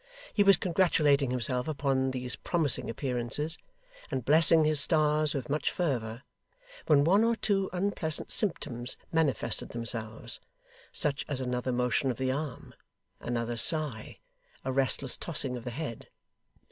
He was congratulating himself upon these promising appearances, and blessing his stars with much fervour, when one or two unpleasant symptoms manifested themselves: such as another motion of the arm, another sigh, a restless tossing of the head.